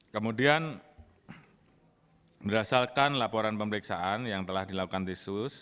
kemudian berasalkan laporan pemeriksaan yang telah dilakukan timsus